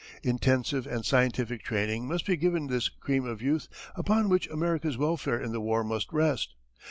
Intensive and scientific training must be given this cream of youth upon which America's welfare in the war must rest.